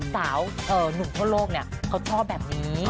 สาวหนุ่มทั่วโลกเขาชอบแบบนี้